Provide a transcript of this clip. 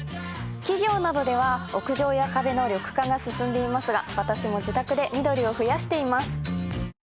企業などでは屋上や壁の緑化が進んでいますが私も自宅で緑を増やしています。